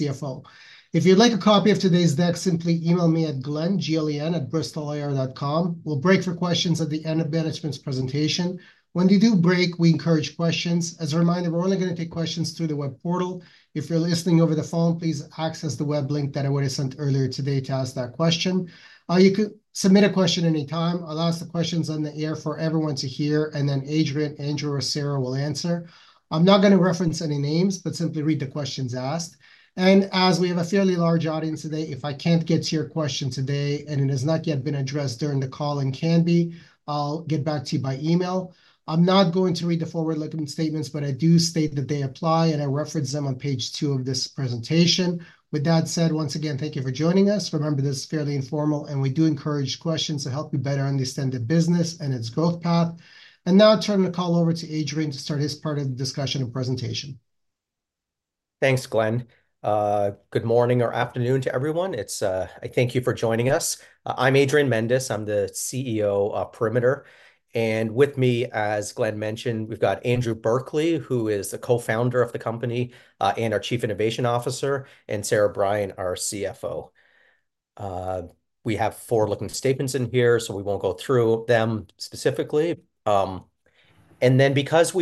If you'd like a copy of today's deck, simply email me at Glenn Green at bristolir.com. We'll break for questions at the end of management's presentation. When they do break, we encourage questions. As a reminder, we're only going to take questions through the web portal. If you're listening over the phone, please access the web link that I would have sent earlier today to ask that question. You can submit a question anytime. I'll ask the questions on the air for everyone to hear, and then Adrian, Andrew, or Sarah will answer. I'm not going to reference any names, but simply read the questions asked. And as we have a fairly large audience today, if I can't get to your question today and it has not yet been addressed during the call and can be, I'll get back to you by email. I'm not going to read the forward-looking statements, but I do state that they apply, and I reference them on page two of this presentation. With that said, once again, thank you for joining us. Remember, this is fairly informal, and we do encourage questions to help you better understand the business and its growth path. And now I'll turn the call over to Adrian to start his part of the discussion and presentation. Thanks, Glenn. Good morning or afternoon to everyone. I thank you for joining us. I'm Adrian Mendes. I'm the CEO of Perimeter. And with me, as Glenn mentioned, we've got Andrew Berkeley, who is the co-founder of the company and our Chief Innovation Officer, and Sarah Burnell, our CFO. We have forward-looking statements in here, so we won't go through them specifically. And then because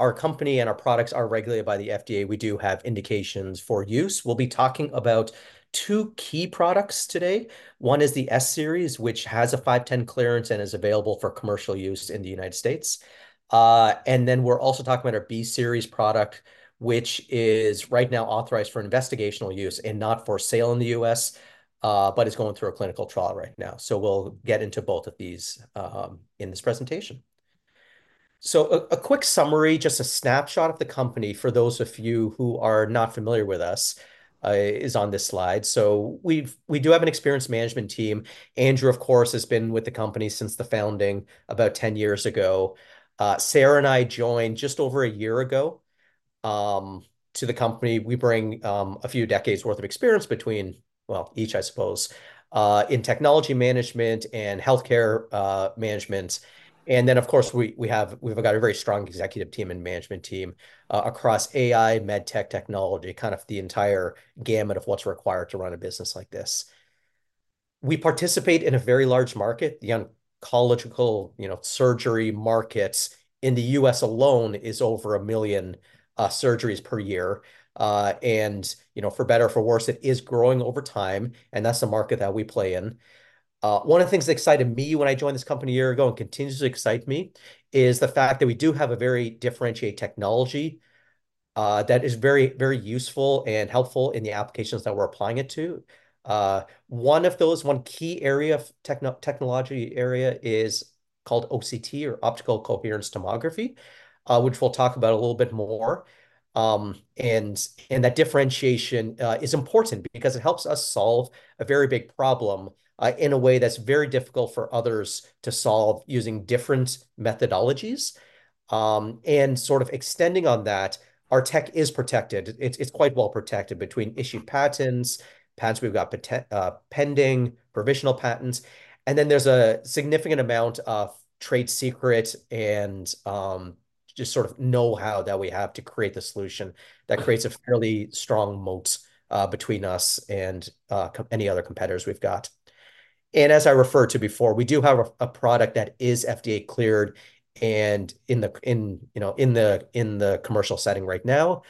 our company and our products are regulated by the FDA, we do have indications for use. We'll be talking about two key products today. One is the S-Series, which has a 510(k) clearance and is available for commercial use in the United States. And then we're also talking about our B-Series product, which is right now authorized for investigational use and not for sale in the U.S., but is going through a clinical trial right now. So we'll get into both of these in this presentation. A quick summary, just a snapshot of the company for those of you who are not familiar with us, is on this slide. We do have an experienced management team. Andrew, of course, has been with the company since the founding about 10 years ago. Sarah and I joined just over a year ago to the company. We bring a few decades' worth of experience between, well, each, I suppose, in technology management and healthcare management. Of course, we've got a very strong executive team and management team across AI, medtech, technology, kind of the entire gamut of what's required to run a business like this. We participate in a very large market. The oncological surgery market in the U.S. alone is over 1 million surgeries per year. For better or for worse, it is growing over time, and that's the market that we play in. One of the things that excited me when I joined this company a year ago and continues to excite me is the fact that we do have a very differentiated technology that is very useful and helpful in the applications that we're applying it to. One of those key technology areas is called OCT, or optical coherence tomography, which we'll talk about a little bit more. That differentiation is important because it helps us solve a very big problem in a way that's very difficult for others to solve using different methodologies. Sort of extending on that, our tech is protected. It's quite well protected between issued patents, patents we've got pending, provisional patents. There's a significant amount of trade secrets and just sort of know-how that we have to create the solution that creates a fairly strong moat between us and any other competitors we've got. As I referred to before, we do have a product that is FDA cleared and in the commercial setting right now,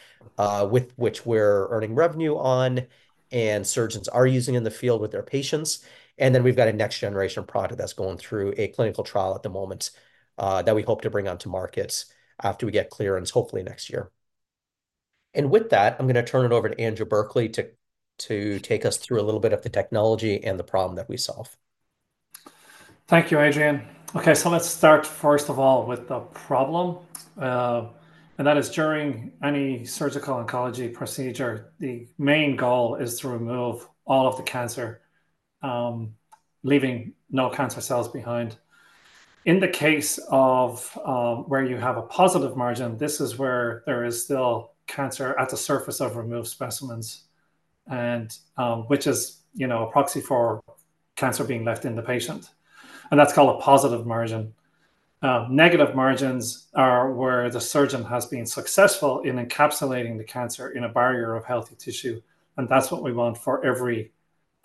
with which we're earning revenue on and surgeons are using in the field with their patients. Then we've got a next-generation product that's going through a clinical trial at the moment that we hope to bring onto markets after we get clearance, hopefully next year. With that, I'm going to turn it over to Andrew Berkeley to take us through a little bit of the technology and the problem that we solve. Thank you, Adrian. Okay, so let's start first of all with the problem. That is during any surgical oncology procedure, the main goal is to remove all of the cancer, leaving no cancer cells behind. In the case of where you have a positive margin, this is where there is still cancer at the surface of removed specimens, which is a proxy for cancer being left in the patient. That's called a positive margin. Negative margins are where the surgeon has been successful in encapsulating the cancer in a barrier of healthy tissue. That's what we want for every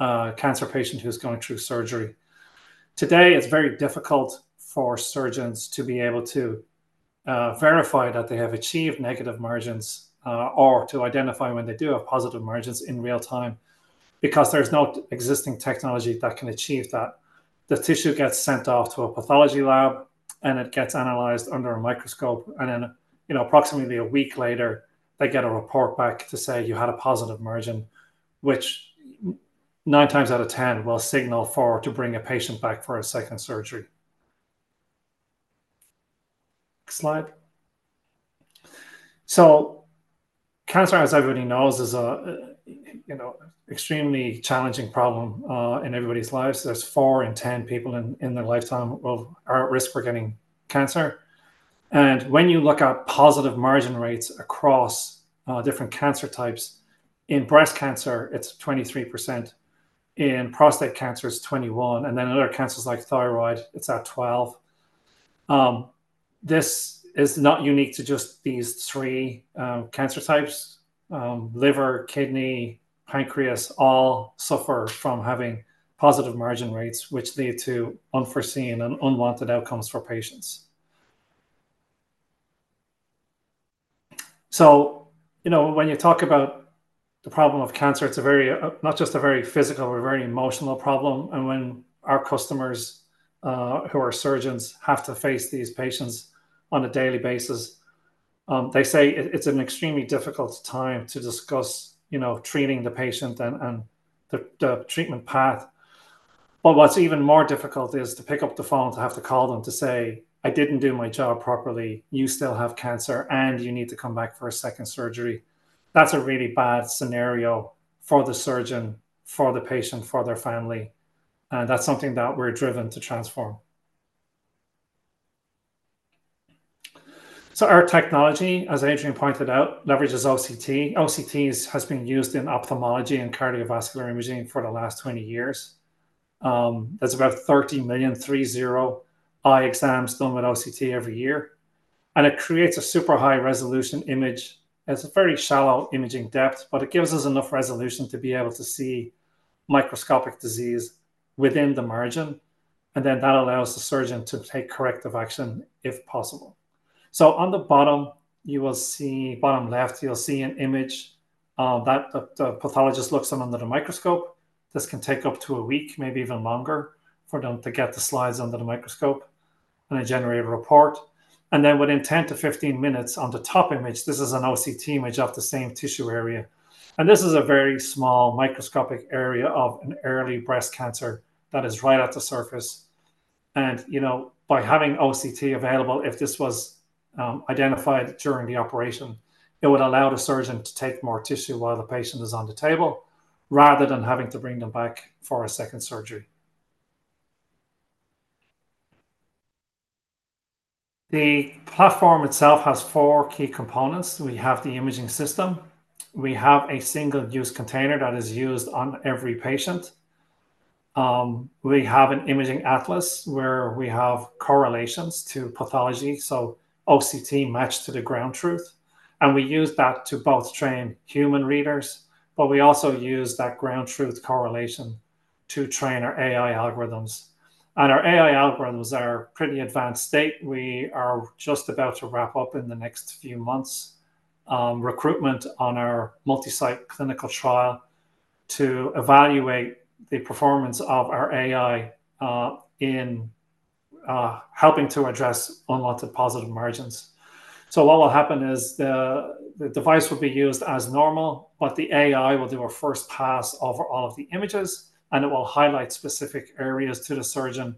cancer patient who's going through surgery. Today, it's very difficult for surgeons to be able to verify that they have achieved negative margins or to identify when they do have positive margins in real time because there's no existing technology that can achieve that. The tissue gets sent off to a pathology lab, and it gets analyzed under a microscope. Approximately a week later, they get a report back to say, "You had a positive margin," which nine times out of 10 will signal for to bring a patient back for a second surgery. Next slide. Cancer, as everybody knows, is an extremely challenging problem in everybody's lives. There's 4 in 10 people in their lifetime who are at risk for getting cancer. When you look at positive margin rates across different cancer types, in breast cancer, it's 23%. In prostate cancer, it's 21%. In other cancers like thyroid, it's 12%. This is not unique to just these three cancer types. Liver, kidney, pancreas all suffer from having positive margin rates, which lead to unforeseen and unwanted outcomes for patients. So when you talk about the problem of cancer, it's not just a very physical or very emotional problem. And when our customers who are surgeons have to face these patients on a daily basis, they say it's an extremely difficult time to discuss treating the patient and the treatment path. But what's even more difficult is to pick up the phone to have to call them to say, "I didn't do my job properly. You still have cancer, and you need to come back for a second surgery." That's a really bad scenario for the surgeon, for the patient, for their family. And that's something that we're driven to transform. So our technology, as Adrian pointed out, leverages OCT. OCT has been used in ophthalmology and cardiovascular imaging for the last 20 years. That's about 30 million three-zero eye exams done with OCT every year. It creates a super high-resolution image. It's a very shallow imaging depth, but it gives us enough resolution to be able to see microscopic disease within the margin. Then that allows the surgeon to take corrective action if possible. So on the bottom, you will see bottom left, you'll see an image that the pathologist looks at under the microscope. This can take up to a week, maybe even longer, for them to get the slides under the microscope and then generate a report. Then within 10-15 minutes on the top image, this is an OCT image of the same tissue area. And this is a very small microscopic area of an early breast cancer that is right at the surface. By having OCT available, if this was identified during the operation, it would allow the surgeon to take more tissue while the patient is on the table rather than having to bring them back for a second surgery. The platform itself has four key components. We have the imaging system. We have a single-use container that is used on every patient. We have an imaging atlas where we have correlations to pathology, so OCT matched to the ground truth. And we use that to both train human readers, but we also use that ground truth correlation to train our AI algorithms. And our AI algorithms are in a pretty advanced state. We are just about to wrap up in the next few months recruitment on our multi-site clinical trial to evaluate the performance of our AI in helping to address unwanted positive margins. What will happen is the device will be used as normal, but the AI will do a first pass over all of the images, and it will highlight specific areas to the surgeon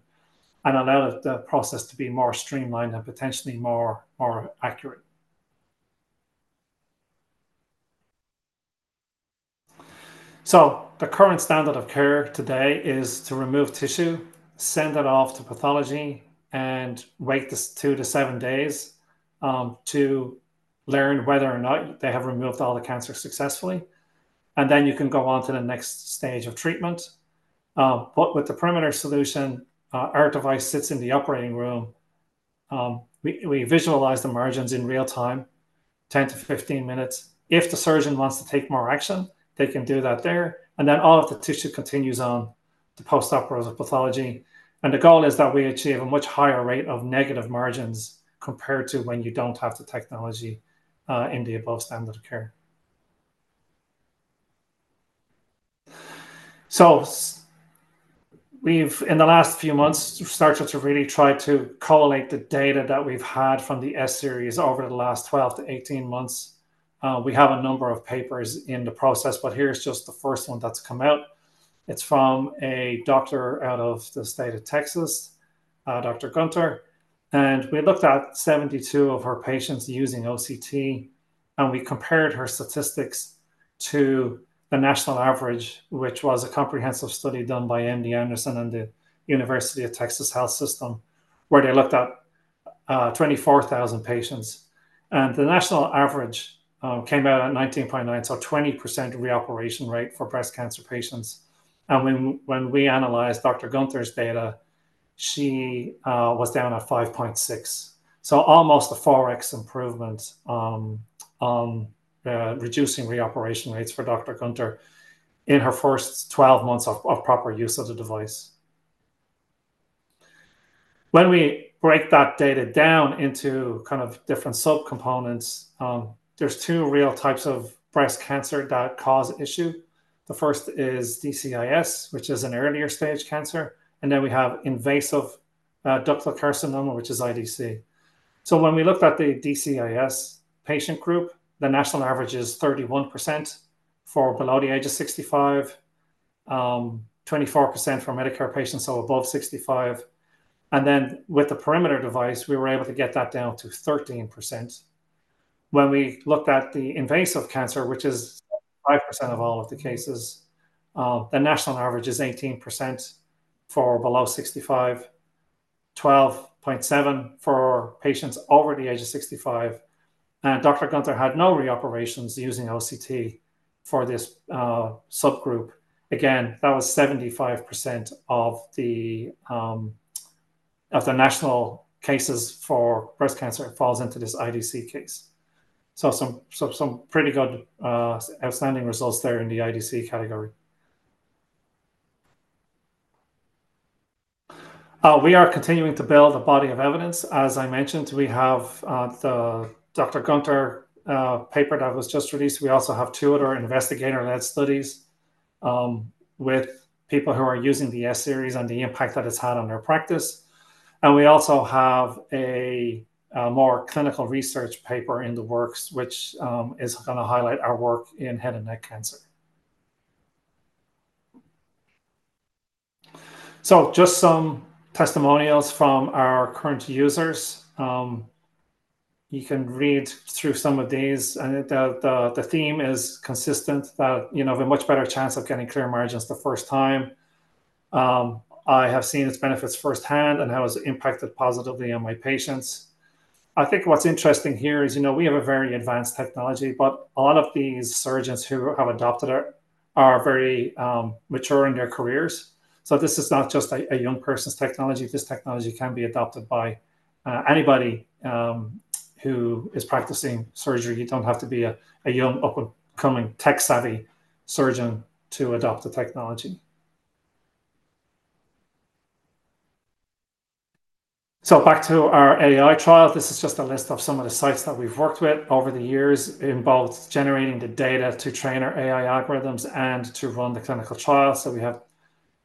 and allow the process to be more streamlined and potentially more accurate. The current standard of care today is to remove tissue, send it off to pathology, and wait 2-7 days to learn whether or not they have removed all the cancer successfully. Then you can go on to the next stage of treatment. With the Perimeter solution, our device sits in the operating room. We visualize the margins in real time, 10-15 minutes. If the surgeon wants to take more action, they can do that there. Then all of the tissue continues on to post-operative pathology. The goal is that we achieve a much higher rate of negative margins compared to when you don't have the technology in the above standard of care. In the last few months, we started to really try to correlate the data that we've had from the S-Series over the last 12 to 18 months. We have a number of papers in the process, but here's just the first one that's come out. It's from a doctor out of the state of Texas, Dr. Gunter. We looked at 72 of her patients using OCT, and we compared her statistics to the national average, which was a comprehensive study done by MD Anderson and the University of Texas Health Science Center, where they looked at 24,000 patients. The national average came out at 19.9, so a 20% reoperation rate for breast cancer patients. When we analyzed Dr. Gunter's data, she was down at 5.6%. So almost a 4x improvement on reducing reoperation rates for Dr. Gunter in her first 12 months of proper use of the device. When we break that data down into kind of different subcomponents, there's two real types of breast cancer that cause issue. The first is DCIS, which is an earlier stage cancer. And then we have invasive ductal carcinoma, which is IDC. So when we looked at the DCIS patient group, the national average is 31% for below the age of 65, 24% for Medicare patients, so above 65. And then with the Perimeter device, we were able to get that down to 13%. When we looked at the invasive cancer, which is 5% of all of the cases, the national average is 18% for below 65, 12.7% for patients over the age of 65. And Dr. Gunter had no reoperations using OCT for this subgroup. Again, that was 75% of the national cases for breast cancer falls into this IDC case. So some pretty good outstanding results there in the IDC category. We are continuing to build a body of evidence. As I mentioned, we have the Dr. Gunter paper that was just released. We also have two other investigator-led studies with people who are using the S-Series and the impact that it's had on their practice. And we also have a more clinical research paper in the works, which is going to highlight our work in head and neck cancer. So just some testimonials from our current users. You can read through some of these. The theme is consistent that you have a much better chance of getting clear margins the first time. I have seen its benefits firsthand, and it has impacted positively on my patients. I think what's interesting here is we have a very advanced technology, but a lot of these surgeons who have adopted it are very mature in their careers. This is not just a young person's technology. This technology can be adopted by anybody who is practicing surgery. You don't have to be a young, up-and-coming, tech-savvy surgeon to adopt the technology. Back to our AI trial. This is just a list of some of the sites that we've worked with over the years in both generating the data to train our AI algorithms and to run the clinical trial. So we have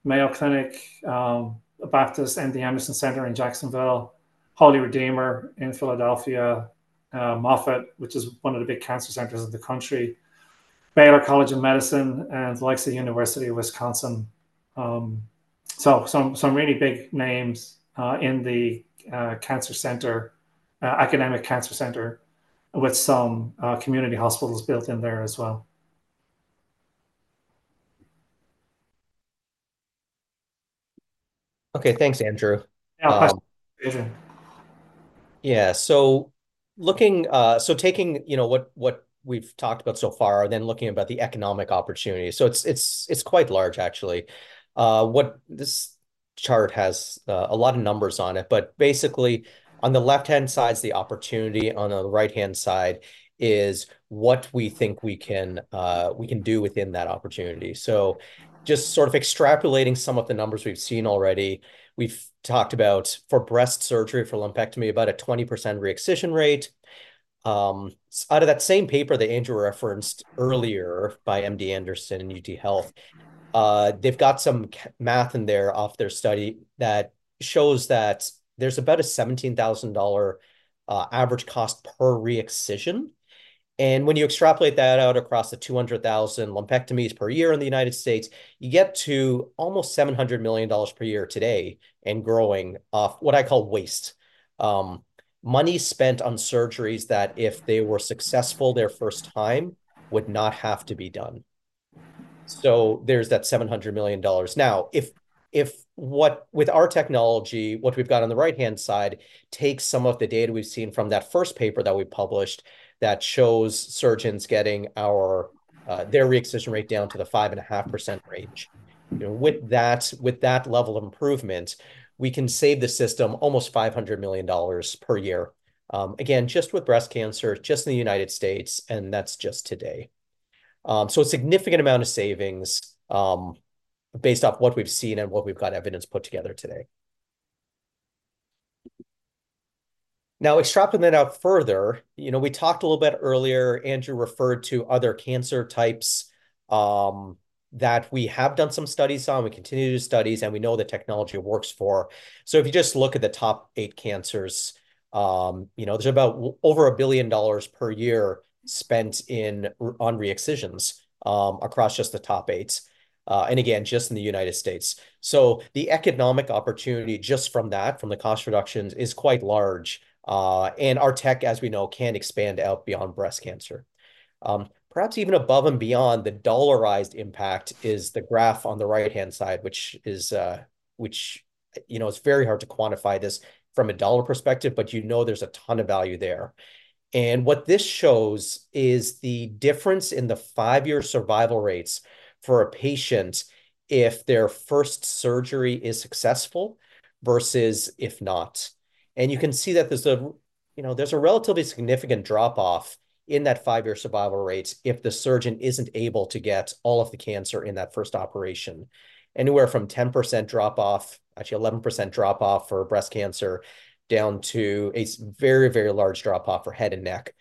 Mayo Clinic, Baptist MD Anderson Cancer Center in Jacksonville, Holy Redeemer in Philadelphia, Moffitt, which is one of the big cancer centers of the country, Baylor College of Medicine, and the University of Wisconsin. So some really big names in the academic cancer center with some community hospitals built in there as well. Okay, thanks, Andrew. Yeah, Adrian. Yeah, so taking what we've talked about so far, then looking at the economic opportunity. So it's quite large, actually. This chart has a lot of numbers on it, but basically, on the left-hand side is the opportunity. On the right-hand side is what we think we can do within that opportunity. So just sort of extrapolating some of the numbers we've seen already, we've talked about for breast surgery for lumpectomy, about a 20% re-excision rate. Out of that same paper that Andrew referenced earlier by MD Anderson and UT Health, they've got some math in there off their study that shows that there's about a $17,000 average cost per re-excision. And when you extrapolate that out across the 200,000 lumpectomies per year in the United States, you get to almost $700 million per year today and growing off what I call waste. Money spent on surgeries that, if they were successful their first time, would not have to be done. So there's that $700 million. Now, with our technology, what we've got on the right-hand side takes some of the data we've seen from that first paper that we published that shows surgeons getting their re-excision rate down to the 5.5% range. With that level of improvement, we can save the system almost $500 million per year. Again, just with breast cancer, just in the United States, and that's just today. So a significant amount of savings based off what we've seen and what we've got evidence put together today. Now, extracting that out further, we talked a little bit earlier, Andrew referred to other cancer types that we have done some studies on. We continue to do studies, and we know the technology works for. So if you just look at the top eight cancers, there's about over $1 billion per year spent on re-excisions across just the top eight. And again, just in the United States. So the economic opportunity just from that, from the cost reductions, is quite large. And our tech, as we know, can expand out beyond breast cancer. Perhaps even above and beyond the dollarized impact is the graph on the right-hand side, which is very hard to quantify this from a dollar perspective, but you know there's a ton of value there. And what this shows is the difference in the five-year survival rates for a patient if their first surgery is successful versus if not. And you can see that there's a relatively significant drop-off in that five-year survival rate if the surgeon isn't able to get all of the cancer in that first operation. Anywhere from 10% drop-off, actually 11% drop-off for breast cancer, down to a very, very large drop-off for head and neck.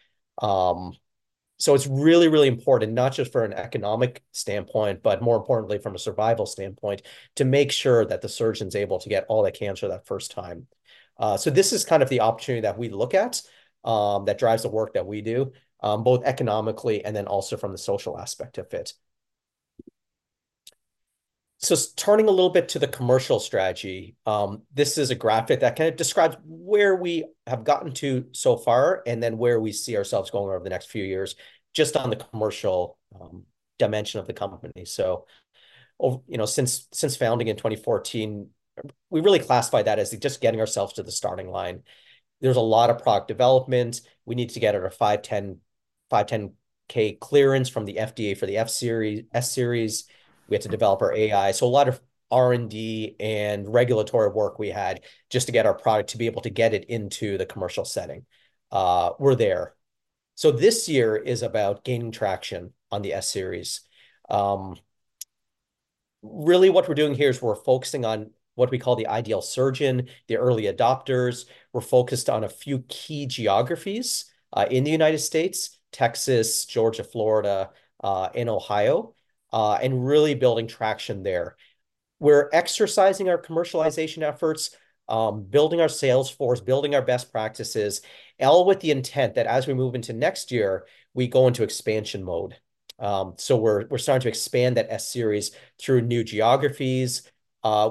So it's really, really important, not just from an economic standpoint, but more importantly from a survival standpoint, to make sure that the surgeon's able to get all the cancer that first time. So this is kind of the opportunity that we look at that drives the work that we do, both economically and then also from the social aspect of it. So turning a little bit to the commercial strategy, this is a graphic that kind of describes where we have gotten to so far and then where we see ourselves going over the next few years just on the commercial dimension of the company. So since founding in 2014, we really classify that as just getting ourselves to the starting line. There's a lot of product development. We need to get a 510(k) clearance from the FDA for the S-Series. We had to develop our AI. So a lot of R&D and regulatory work we had just to get our product to be able to get it into the commercial setting were there. So this year is about gaining traction on the S-Series. Really, what we're doing here is we're focusing on what we call the ideal surgeon, the early adopters. We're focused on a few key geographies in the United States: Texas, Georgia, Florida, and Ohio, and really building traction there. We're exercising our commercialization efforts, building our sales force, building our best practices, all with the intent that as we move into next year, we go into expansion mode. So we're starting to expand that S-Series through new geographies.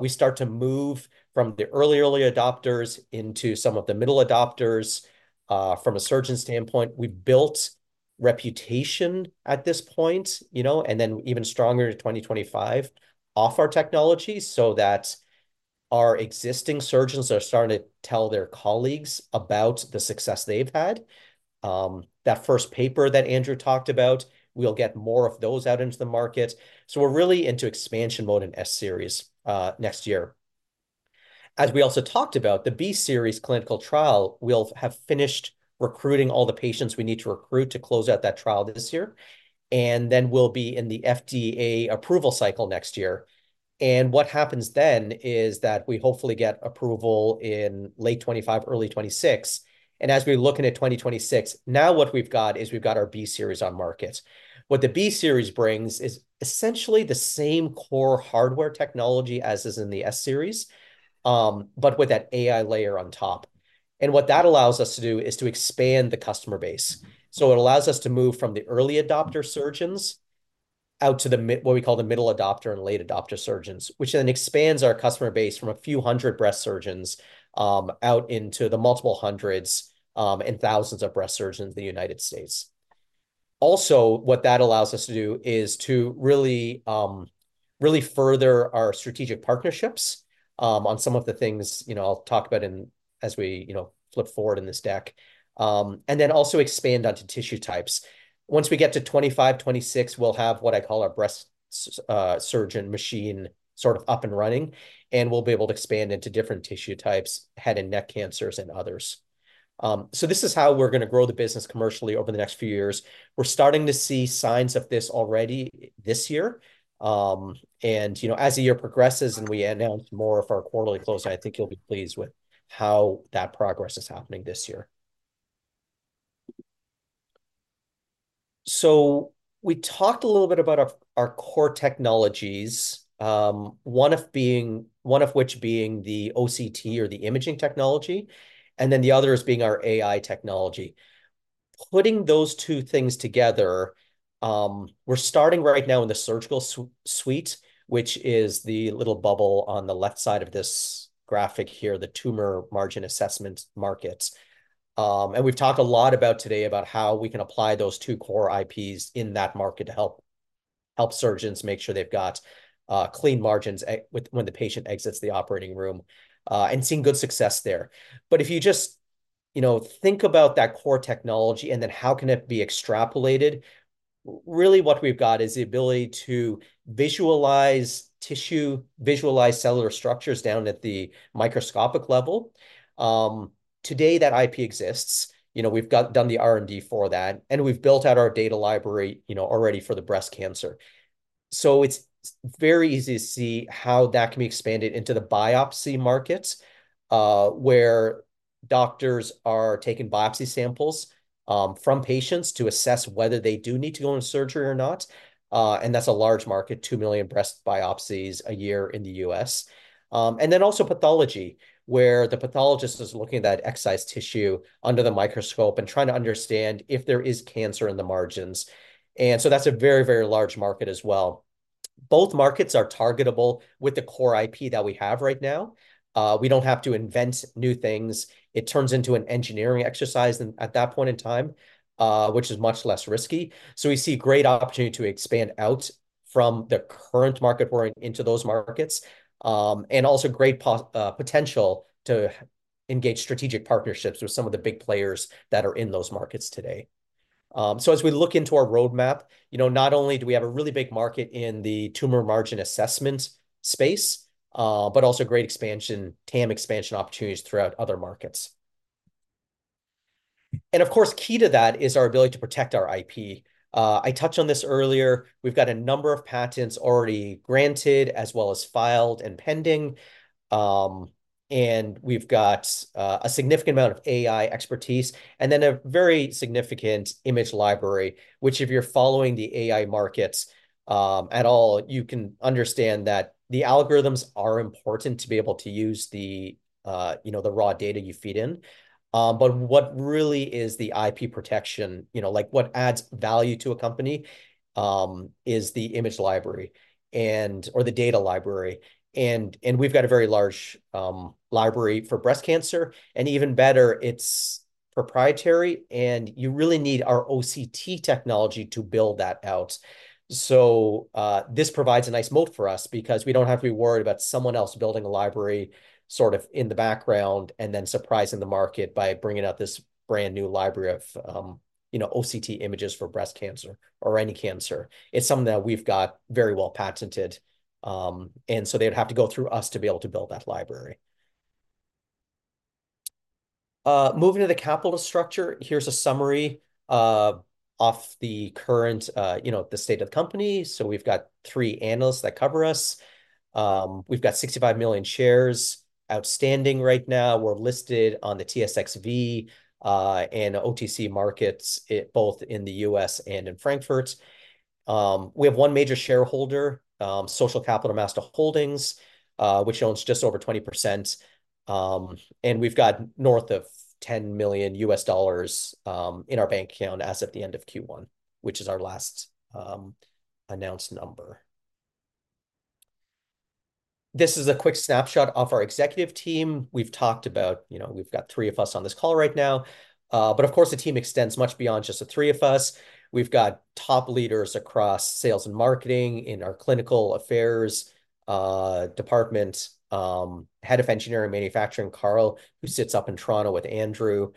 We start to move from the early, early adopters into some of the middle adopters from a surgeon standpoint. We've built reputation at this point, and then even stronger in 2025 off our technology so that our existing surgeons are starting to tell their colleagues about the success they've had. That first paper that Andrew talked about, we'll get more of those out into the market. So we're really into expansion mode in S-Series next year. As we also talked about, the B series clinical trial, we'll have finished recruiting all the patients we need to recruit to close out that trial this year. And then we'll be in the FDA approval cycle next year. And what happens then is that we hopefully get approval in late 2025, early 2026. And as we look into 2026, now what we've got is we've got our B series on market. What the B-Series brings is essentially the same core hardware technology as is in the S-Series, but with that AI layer on top. And what that allows us to do is to expand the customer base. So it allows us to move from the early adopter surgeons out to what we call the middle adopter and late adopter surgeons, which then expands our customer base from a few hundred breast surgeons out into the multiple hundreds and thousands of breast surgeons in the United States. Also, what that allows us to do is to really further our strategic partnerships on some of the things I'll talk about as we flip forward in this deck, and then also expand onto tissue types. Once we get to 2025, 2026, we'll have what I call our breast surgeon machine sort of up and running, and we'll be able to expand into different tissue types, head and neck cancers, and others. So this is how we're going to grow the business commercially over the next few years. We're starting to see signs of this already this year. And as the year progresses and we announce more of our quarterly close, I think you'll be pleased with how that progress is happening this year. So we talked a little bit about our core technologies, one of which being the OCT or the imaging technology, and then the other is being our AI technology. Putting those two things together, we're starting right now in the surgical suite, which is the little bubble on the left side of this graphic here, the tumor margin assessment markets. And we've talked a lot about today about how we can apply those two core IPs in that market to help surgeons make sure they've got clean margins when the patient exits the operating room and seeing good success there. But if you just think about that core technology and then how can it be extrapolated, really what we've got is the ability to visualize tissue, visualize cellular structures down at the microscopic level. Today, that IP exists. We've done the R&D for that, and we've built out our data library already for the breast cancer. So it's very easy to see how that can be expanded into the biopsy markets where doctors are taking biopsy samples from patients to assess whether they do need to go into surgery or not. And that's a large market, 2 million breast biopsies a year in the US. Then also pathology, where the pathologist is looking at that excised tissue under the microscope and trying to understand if there is cancer in the margins. So that's a very, very large market as well. Both markets are targetable with the core IP that we have right now. We don't have to invent new things. It turns into an engineering exercise at that point in time, which is much less risky. We see great opportunity to expand out from the current market we're in into those markets and also great potential to engage strategic partnerships with some of the big players that are in those markets today. As we look into our roadmap, not only do we have a really big market in the tumor margin assessment space, but also great TAM expansion opportunities throughout other markets. Of course, key to that is our ability to protect our IP. I touched on this earlier. We've got a number of patents already granted as well as filed and pending. And we've got a significant amount of AI expertise and then a very significant image library. Which if you're following the AI markets at all, you can understand that the algorithms are important to be able to use the raw data you feed in. But what really is the IP protection, what adds value to a company is the image library or the data library. And we've got a very large library for breast cancer. And even better, it's proprietary. And you really need our OCT technology to build that out. So this provides a nice moat for us because we don't have to be worried about someone else building a library sort of in the background and then surprising the market by bringing out this brand new library of OCT images for breast cancer or any cancer. It's something that we've got very well patented. And so they'd have to go through us to be able to build that library. Moving to the capital structure, here's a summary of the current state of the company. So we've got three analysts that cover us. We've got 65 million shares outstanding right now. We're listed on the TSXV and OTC markets both in the U.S. and in Frankfurt. We have one major shareholder, Social Capital Master Holdings, which owns just over 20%. And we've got north of $10 million in our bank account as of the end of Q1, which is our last announced number. This is a quick snapshot of our executive team. We've talked about we've got three of us on this call right now. But of course, the team extends much beyond just the three of us. We've got top leaders across sales and marketing in our clinical affairs department, head of engineering manufacturing, Carl, who sits up in Toronto with Andrew,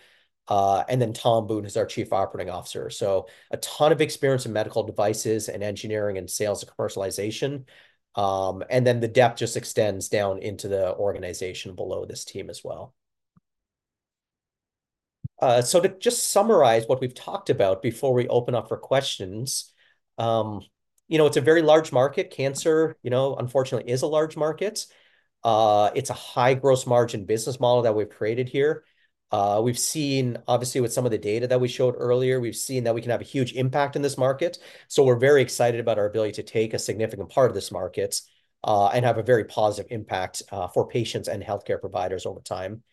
and then Tom Boone is our Chief Operating Officer. So a ton of experience in medical devices and engineering and sales and commercialization. And then the depth just extends down into the organization below this team as well. So to just summarize what we've talked about before we open up for questions, it's a very large market. Cancer, unfortunately, is a large market. It's a high gross margin business model that we've created here. We've seen, obviously, with some of the data that we showed earlier, we've seen that we can have a huge impact in this market. So we're very excited about our ability to take a significant part of this market and have a very positive impact for patients and healthcare providers over time.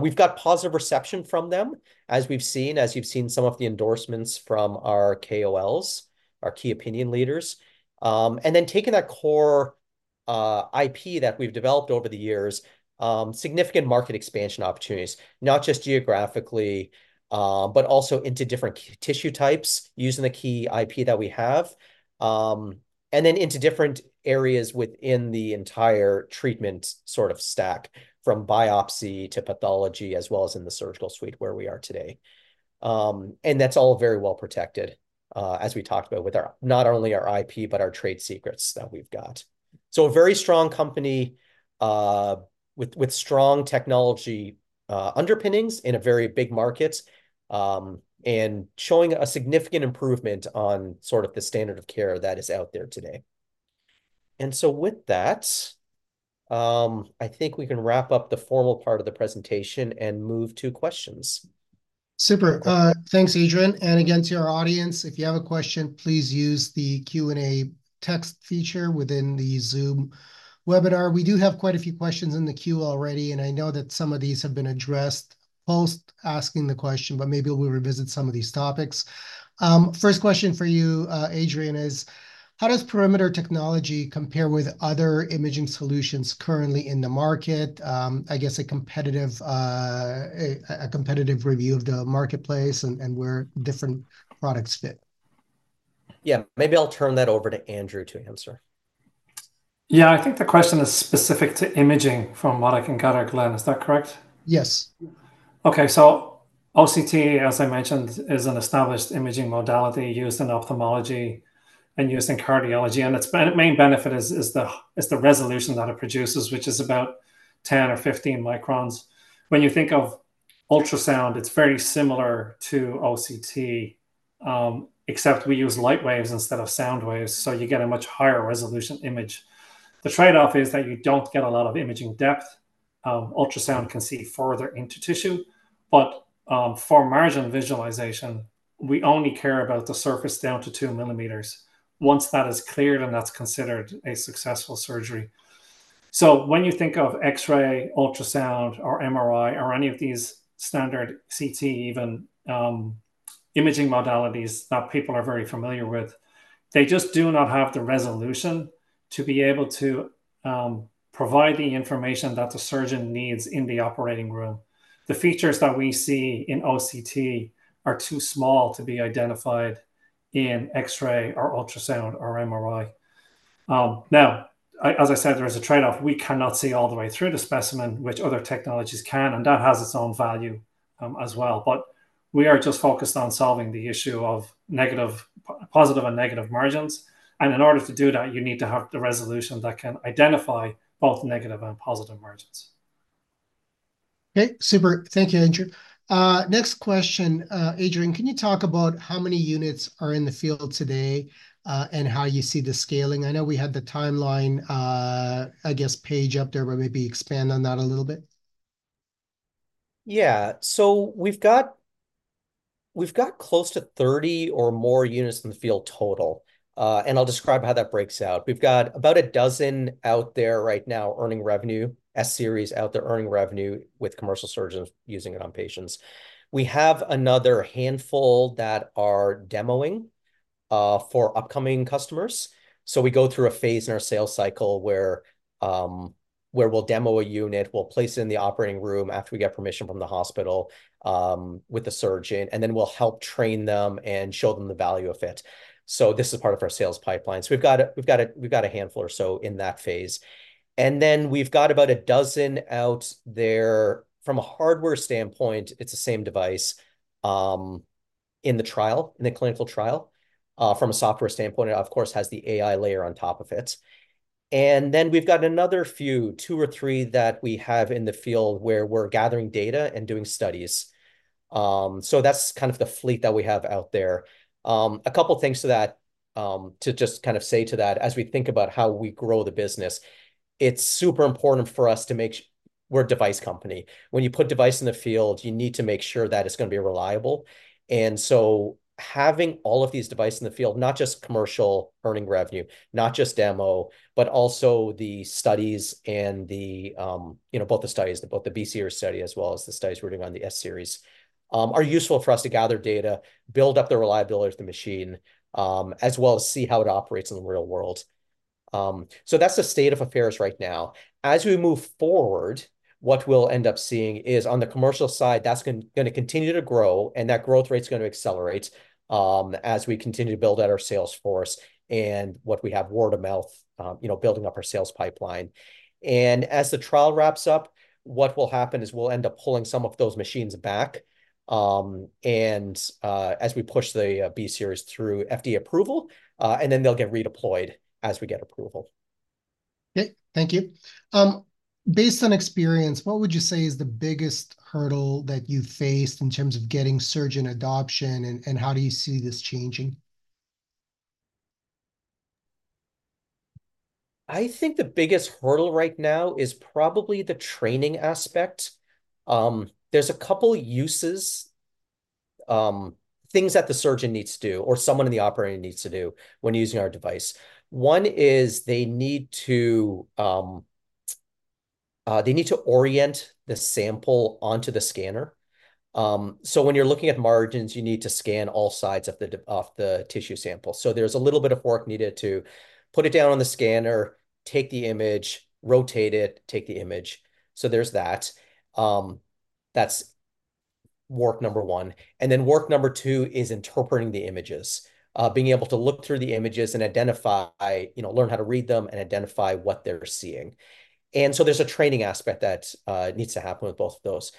We've got positive reception from them, as we've seen, as you've seen some of the endorsements from our KOLs, our key opinion leaders. And then taking that core IP that we've developed over the years, significant market expansion opportunities, not just geographically, but also into different tissue types using the key IP that we have, and then into different areas within the entire treatment sort of stack from biopsy to pathology as well as in the surgical suite where we are today. And that's all very well protected, as we talked about, with not only our IP, but our trade secrets that we've got. So a very strong company with strong technology underpinnings in a very big market and showing a significant improvement on sort of the standard of care that is out there today. And so with that, I think we can wrap up the formal part of the presentation and move to questions. Super. Thanks, Adrian. And again, to our audience, if you have a question, please use the Q&A text feature within the Zoom webinar. We do have quite a few questions in the queue already, and I know that some of these have been addressed post asking the question, but maybe we'll revisit some of these topics. First question for you, Adrian, is how does Perimeter technology compare with other imaging solutions currently in the market? I guess a competitive review of the marketplace and where different products fit. Yeah. Maybe I'll turn that over to Andrew to answer. Yeah. I think the question is specific to imaging from what I can gather, Glenn. Is that correct? Yes. Okay. So OCT, as I mentioned, is an established imaging modality used in ophthalmology and used in cardiology. Its main benefit is the resolution that it produces, which is about 10 or 15 microns. When you think of ultrasound, it's very similar to OCT, except we use light waves instead of sound waves. You get a much higher resolution image. The trade-off is that you don't get a lot of imaging depth. Ultrasound can see further into tissue. But for margin visualization, we only care about the surface down to 2 millimeters. Once that is cleared, that's considered a successful surgery. When you think of X-ray, ultrasound, or MRI, or any of these standard CT, even imaging modalities that people are very familiar with, they just do not have the resolution to be able to provide the information that the surgeon needs in the operating room. The features that we see in OCT are too small to be identified in X-ray or ultrasound or MRI. Now, as I said, there is a trade-off. We cannot see all the way through the specimen, which other technologies can, and that has its own value as well. But we are just focused on solving the issue of positive and negative margins. And in order to do that, you need to have the resolution that can identify both negative and positive margins. Okay. Super. Thank you, Andrew. Next question, Adrian, can you talk about how many units are in the field today and how you see the scaling? I know we had the timeline, I guess, page up there, but maybe expand on that a little bit. Yeah. So we've got close to 30 or more units in the field total. And I'll describe how that breaks out. We've got about 12 out there right now earning revenue, S-Series out there earning revenue with commercial surgeons using it on patients. We have another handful that are demoing for upcoming customers. So we go through a phase in our sales cycle where we'll demo a unit. We'll place it in the operating room after we get permission from the hospital with the surgeon, and then we'll help train them and show them the value of it. So this is part of our sales pipeline. So we've got a handful or so in that phase. And then we've got about 12 out there. From a hardware standpoint, it's the same device in the clinical trial. From a software standpoint, it, of course, has the AI layer on top of it. And then we've got another few, two or three, that we have in the field where we're gathering data and doing studies. So that's kind of the fleet that we have out there. A couple of things to just kind of say to that, as we think about how we grow the business, it's super important for us to make sure we're a device company. When you put device in the field, you need to make sure that it's going to be reliable. And so having all of these devices in the field, not just commercial earning revenue, not just demo, but also the studies and both the studies, both the BCR study as well as the studies we're doing on the S-Series are useful for us to gather data, build up the reliability of the machine, as well as see how it operates in the real world. So that's the state of affairs right now. As we move forward, what we'll end up seeing is on the commercial side, that's going to continue to grow, and that growth rate's going to accelerate as we continue to build out our sales force and what we have word of mouth, building up our sales pipeline. As the trial wraps up, what will happen is we'll end up pulling some of those machines back as we push the B-Series through FDA approval, and then they'll get redeployed as we get approval. Okay. Thank you. Based on experience, what would you say is the biggest hurdle that you've faced in terms of getting surgeon adoption, and how do you see this changing? I think the biggest hurdle right now is probably the training aspect. There's a couple of uses, things that the surgeon needs to do or someone in the operating needs to do when using our device. One is they need to orient the sample onto the scanner. So when you're looking at margins, you need to scan all sides of the tissue sample. So there's a little bit of work needed to put it down on the scanner, take the image, rotate it, take the image. So there's that. That's work number one. And then work number two is interpreting the images, being able to look through the images and identify, learn how to read them, and identify what they're seeing. And so there's a training aspect that needs to happen with both of those.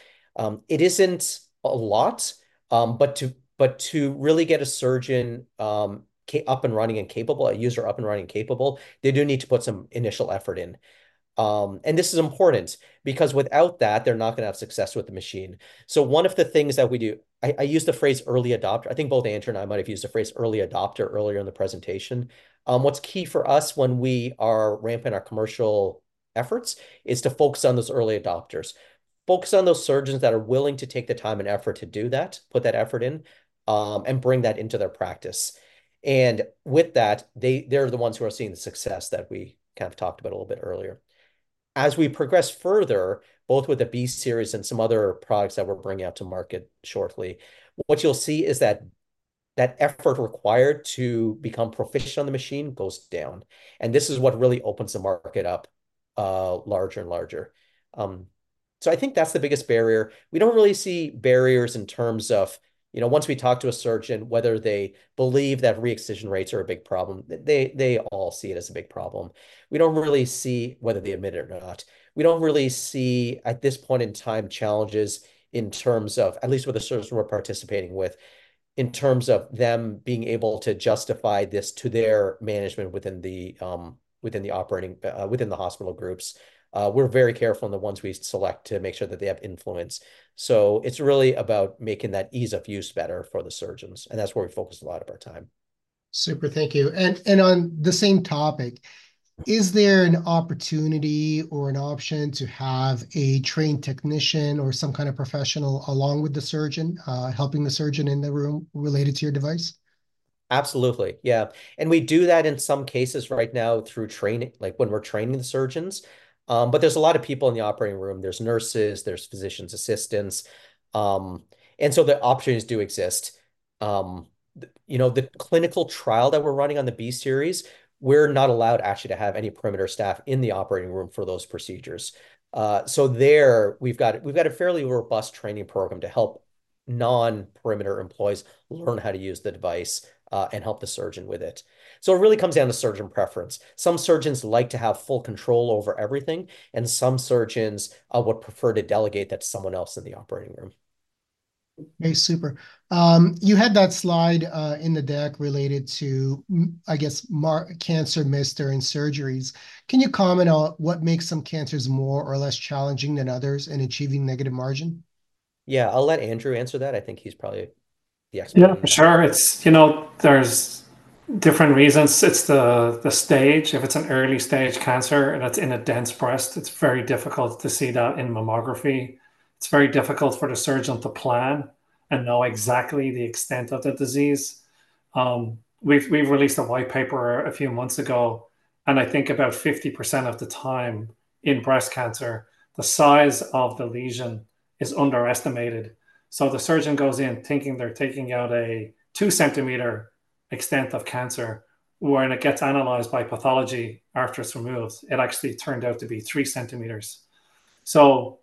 It isn't a lot, but to really get a surgeon up and running and capable, a user up and running and capable, they do need to put some initial effort in. And this is important because without that, they're not going to have success with the machine. So one of the things that we do, I use the phrase early adopter. I think both Andrew and I might have used the phrase early adopter earlier in the presentation. What's key for us when we are ramping our commercial efforts is to focus on those early adopters, focus on those surgeons that are willing to take the time and effort to do that, put that effort in, and bring that into their practice. And with that, they're the ones who are seeing the success that we kind of talked about a little bit earlier. As we progress further, both with the B-Series and some other products that we're bringing out to market shortly, what you'll see is that effort required to become proficient on the machine goes down. This is what really opens the market up larger and larger. I think that's the biggest barrier. We don't really see barriers in terms of once we talk to a surgeon, whether they believe that re-excision rates are a big problem, they all see it as a big problem. We don't really see whether they admit it or not. We don't really see, at this point in time, challenges in terms of, at least with the surgeons we're participating with, in terms of them being able to justify this to their management within the operating, within the hospital groups. We're very careful in the ones we select to make sure that they have influence. So it's really about making that ease of use better for the surgeons. And that's where we focus a lot of our time. Super. Thank you. On the same topic, is there an opportunity or an option to have a trained technician or some kind of professional along with the surgeon, helping the surgeon in the room related to your device? Absolutely. Yeah. And we do that in some cases right now through training, like when we're training the surgeons. But there's a lot of people in the operating room. There's nurses. There's physician assistants. And so the opportunities do exist. The clinical trial that we're running on the B-Series, we're not allowed actually to have any Perimeter staff in the operating room for those procedures. So there, we've got a fairly robust training program to help non-Perimeter employees learn how to use the device and help the surgeon with it. So it really comes down to surgeon preference. Some surgeons like to have full control over everything, and some surgeons would prefer to delegate that to someone else in the operating room. Okay. Super. You had that slide in the deck related to, I guess, cancer missed during surgeries. Can you comment on what makes some cancers more or less challenging than others in achieving negative margin? Yeah. I'll let Andrew answer that. I think he's probably the expert. Yeah. For sure. There's different reasons. It's the stage. If it's an early stage cancer and it's in a dense breast, it's very difficult to see that in mammography. It's very difficult for the surgeon to plan and know exactly the extent of the disease. We've released a white paper a few months ago. I think about 50% of the time in breast cancer, the size of the lesion is underestimated. So the surgeon goes in thinking they're taking out a 2-centimeter extent of cancer, where it gets analyzed by pathology after it's removed. It actually turned out to be 3 centimeters. So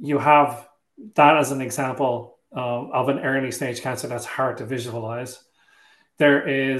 you have that as an example of an early stage cancer that's hard to visualize. I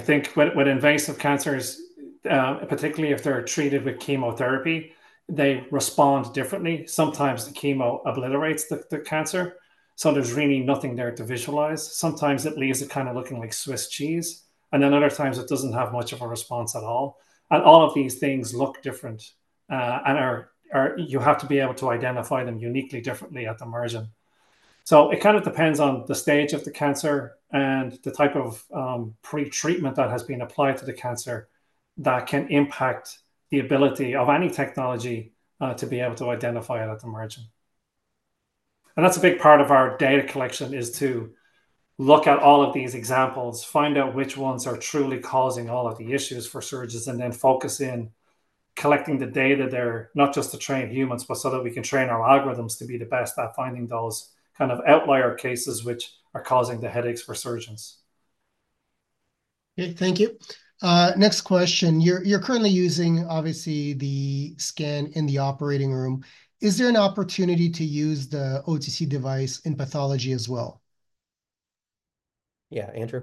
think with invasive cancers, particularly if they're treated with chemotherapy, they respond differently. Sometimes the chemo obliterates the cancer. So there's really nothing there to visualize. Sometimes it leaves it kind of looking like Swiss cheese. Then other times, it doesn't have much of a response at all. All of these things look different. You have to be able to identify them uniquely differently at the margin. So it kind of depends on the stage of the cancer and the type of pretreatment that has been applied to the cancer that can impact the ability of any technology to be able to identify it at the margin. That's a big part of our data collection is to look at all of these examples, find out which ones are truly causing all of the issues for surgeons, and then focus in collecting the data there, not just to train humans, but so that we can train our algorithms to be the best at finding those kind of outlier cases which are causing the headaches for surgeons. Okay. Thank you. Next question. You're currently using, obviously, the scan in the operating room. Is there an opportunity to use the OCT device in pathology as well? Yeah. Andrew.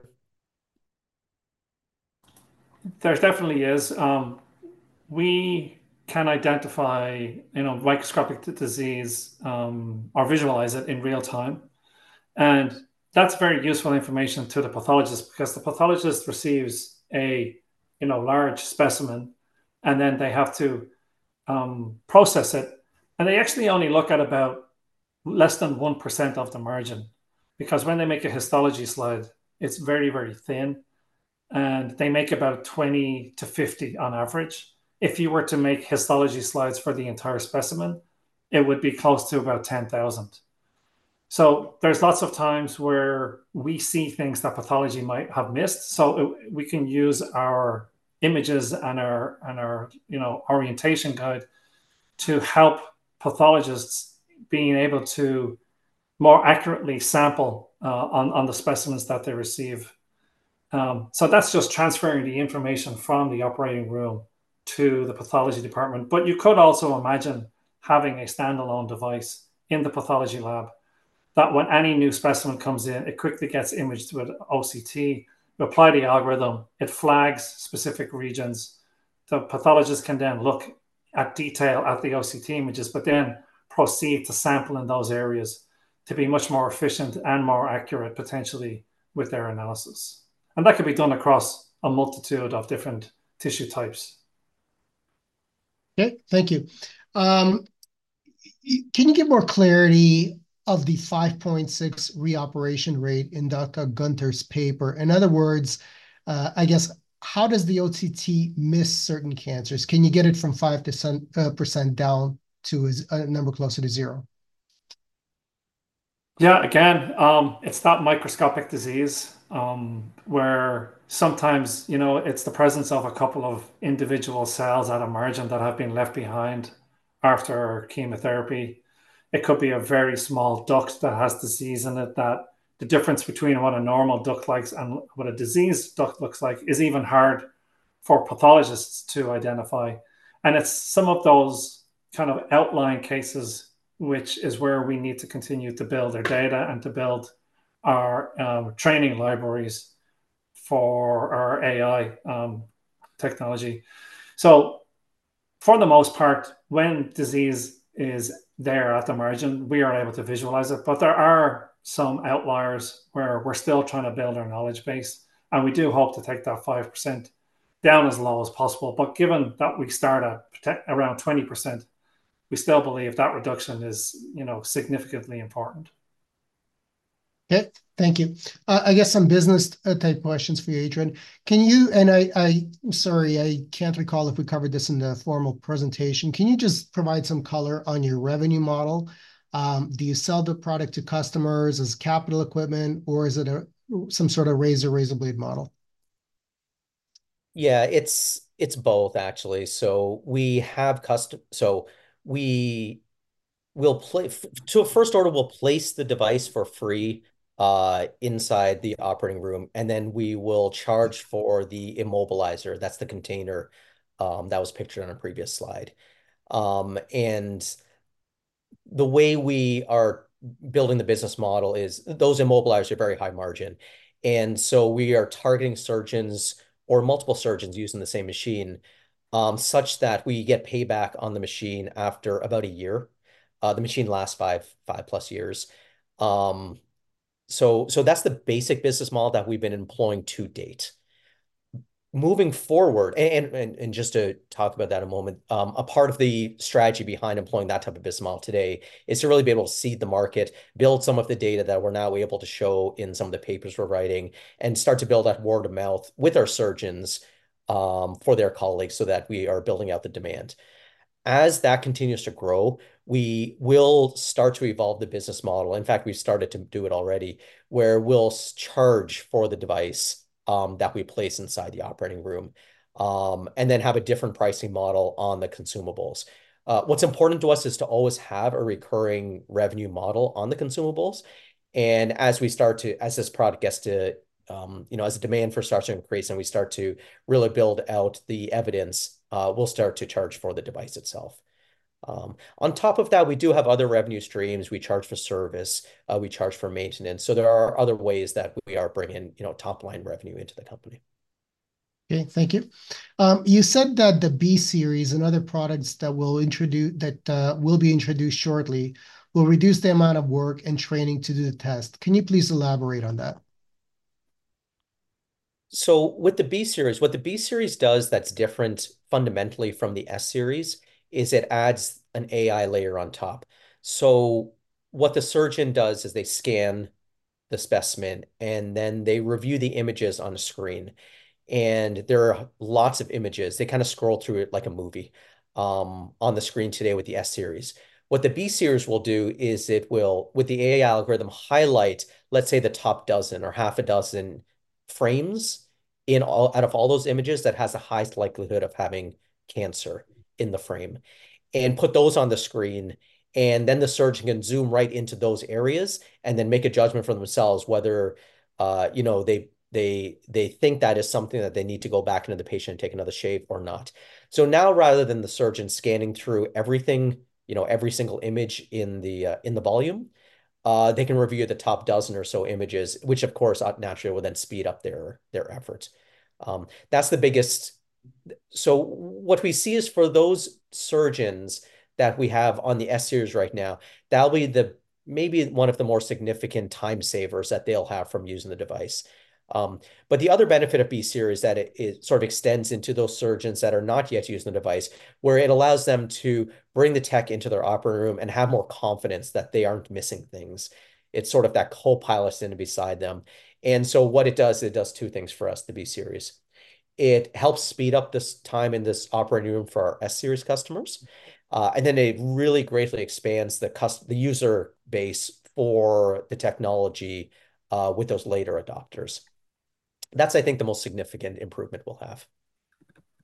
There definitely is. We can identify microscopic disease or visualize it in real time. That's very useful information to the pathologist because the pathologist receives a large specimen, and then they have to process it. They actually only look at about less than 1% of the margin because when they make a histology slide, it's very, very thin. They make about 20-50 on average. If you were to make histology slides for the entire specimen, it would be close to about 10,000. There's lots of times where we see things that pathology might have missed. We can use our images and our orientation guide to help pathologists being able to more accurately sample on the specimens that they receive. That's just transferring the information from the operating room to the pathology department. You could also imagine having a standalone device in the pathology lab that, when any new specimen comes in, it quickly gets imaged with OCT, apply the algorithm, it flags specific regions. The pathologist can then look at detail at the OCT images, but then proceed to sample in those areas to be much more efficient and more accurate potentially with their analysis. That could be done across a multitude of different tissue types. Okay. Thank you. Can you give more clarity of the 5.6 re-operation rate in Dr. Gunter's paper? In other words, I guess, how does the OCT miss certain cancers? Can you get it from 5% down to a number closer to 0? Yeah. Again, it's not microscopic disease where sometimes it's the presence of a couple of individual cells at a margin that have been left behind after chemotherapy. It could be a very small duct that has disease in it that the difference between what a normal duct looks like and what a diseased duct looks like is even hard for pathologists to identify. And it's some of those kind of outlying cases, which is where we need to continue to build our data and to build our training libraries for our AI technology. So for the most part, when disease is there at the margin, we are able to visualize it. But there are some outliers where we're still trying to build our knowledge base. And we do hope to take that 5% down as low as possible. Given that we start at around 20%, we still believe that reduction is significantly important. Okay. Thank you. I guess some business-type questions for you, Adrian. And I'm sorry, I can't recall if we covered this in the formal presentation. Can you just provide some color on your revenue model? Do you sell the product to customers as capital equipment, or is it some sort of razor blade model? Yeah. It's both, actually. So we will place, so first order, we'll place the device for free inside the operating room, and then we will charge for the immobilizer. That's the container that was pictured on a previous slide. And the way we are building the business model is those immobilizers are very high margin. And so we are targeting surgeons or multiple surgeons using the same machine such that we get payback on the machine after about a year. The machine lasts 5+ years. So that's the basic business model that we've been employing to date. Moving forward, and just to talk about that a moment, a part of the strategy behind employing that type of business model today is to really be able to seed the market, build some of the data that we're now able to show in some of the papers we're writing, and start to build that word of mouth with our surgeons for their colleagues so that we are building out the demand. As that continues to grow, we will start to evolve the business model. In fact, we've started to do it already where we'll charge for the device that we place inside the operating room and then have a different pricing model on the consumables. What's important to us is to always have a recurring revenue model on the consumables. And as the demand for it starts to increase and we start to really build out the evidence, we'll start to charge for the device itself. On top of that, we do have other revenue streams. We charge for service. We charge for maintenance. So there are other ways that we are bringing top-line revenue into the company. Okay. Thank you. You said that the B-Series and other products that will be introduced shortly will reduce the amount of work and training to do the test. Can you please elaborate on that? So with the B-Series, what the B-Series does that's different fundamentally from the S-Series is it adds an AI layer on top. So what the surgeon does is they scan the specimen, and then they review the images on a screen. And there are lots of images. They kind of scroll through it like a movie on the screen today with the S-Series. What the B-Series will do is it will, with the AI algorithm, highlight, let's say, the top dozen or half a dozen frames out of all those images that have the highest likelihood of having cancer in the frame and put those on the screen. And then the surgeon can zoom right into those areas and then make a judgment for themselves whether they think that is something that they need to go back into the patient and take another shave or not. So now, rather than the surgeon scanning through everything, every single image in the volume, they can review the top dozen or so images, which, of course, naturally will then speed up their efforts. That's the biggest. So what we see is for those surgeons that we have on the S-Series right now, that'll be maybe one of the more significant time savers that they'll have from using the device. But the other benefit of B-Series is that it sort of extends into those surgeons that are not yet using the device where it allows them to bring the tech into their operating room and have more confidence that they aren't missing things. It's sort of that co-pilot standing beside them. And so what it does, it does two things for us, the B-Series. It helps speed up this time in this operating room for our S-Series customers. And then it really greatly expands the user base for the technology with those later adopters. That's, I think, the most significant improvement we'll have.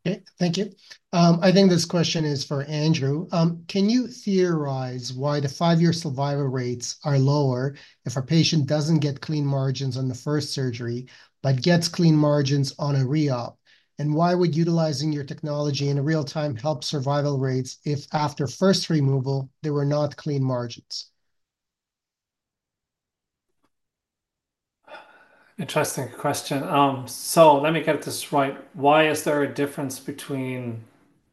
Okay. Thank you. I think this question is for Andrew. Can you theorize why the five-year survival rates are lower if a patient doesn't get clean margins on the first surgery but gets clean margins on a re-op? And why would utilizing your technology in real time help survival rates if after first removal, there were not clean margins? Interesting question. Let me get this right. Why is there a difference between